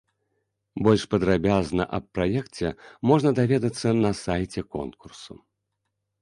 Больш падрабязна аб праекце можна даведацца на сайце конкурсу.